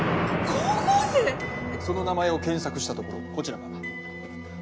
その名前を検索したところこちらが。